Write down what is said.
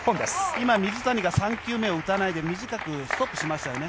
今、水谷が３球目を打たないで短くストップしましたよね。